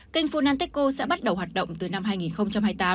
kênh funteco sẽ bắt đầu hoạt động từ năm hai nghìn hai mươi tám